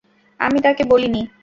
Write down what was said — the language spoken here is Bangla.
আমি তাকে বলি নি।